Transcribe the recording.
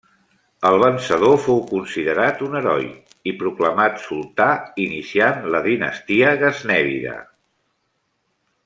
El vencedor fou considerat un heroi i proclamat sultà iniciant la dinastia gaznèvida.